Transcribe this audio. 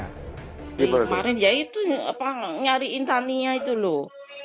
kemarin dia itu nyariin tania itu loh